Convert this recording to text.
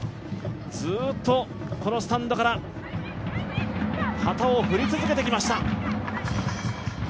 ずっとこのスタンドから旗を振り続けてきました。